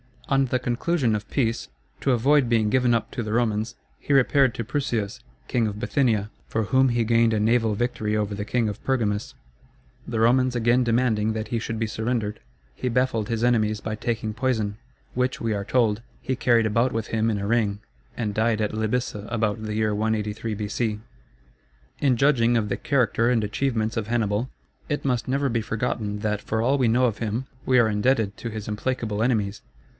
On the conclusion of peace, to avoid being given up to the Romans, he repaired to Prusias, king of Bithynia, for whom he gained a naval victory over the king of Pergamus. The Romans again demanding that he should be surrendered, he baffled his enemies by taking poison, which, we are told, he carried about with him in a ring, and died at Lybyssa about the year 183 B.C. In judging of the character and achievements of Hannibal, it must never be forgotten, that for all we know of him, we are indebted to his implacable enemies.